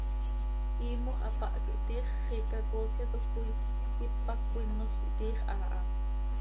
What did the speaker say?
Iimox hapáh quih, tiix xiica coosyatoj coi quipac cöquinol quih, tiix haa ha.